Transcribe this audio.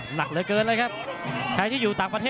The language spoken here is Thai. หนักเหลือเกินเลยครับ